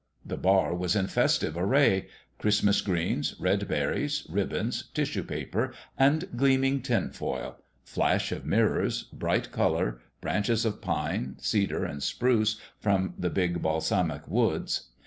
The bar was in festive array : Christmas greens, red berries, ribbons, tissue paper and gleaming tin foil flash of mirrors, bright colour, branches of pine, cedar and spruce from the big balsamic woods.